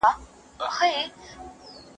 شالمار په وینو رنګ دی د مستیو جنازې دي